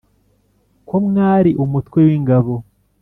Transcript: Ko mwari umutwe w'ingabo